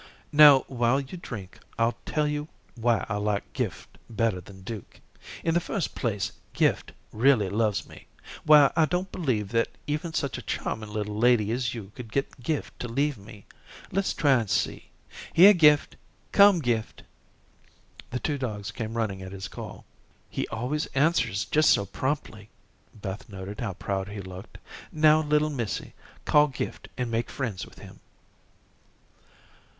"Now while you drink, I'll tell you why I like Gift better than Duke. In the first place, Gift really loves me why, I don't believe that even such a charming little lady as you could get Gift to leave me. Let's try and see. Here, Gift; come, Gift." The two dogs came running at his call. "He always answers just so promptly." Beth noted how proud he looked. "Now little missy, call Gift and make friends with him."